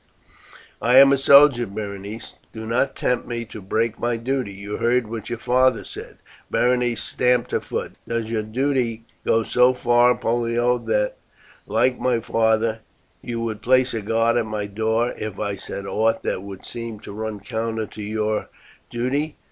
"I am a soldier, Berenice; do not tempt me to break my duty. You heard what your father said." Berenice stamped her foot. "Does your duty go so far, Pollio, that like my father you would place a guard at my door if I said aught that would seem to run counter to your duty?"